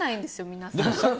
皆さん。